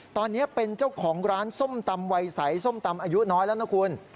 ตอนนี้เป็นเจ้าของร้านส้มตำวัยใสส้มตำอายุน้อยแล้วนะคุณ